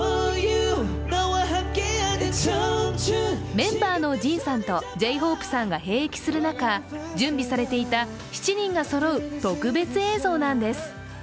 メンバーのＪＩＮさんとＪ−ＨＯＰＥさんさんが兵役する中、準備されていた７人がそろう特別映像なんです。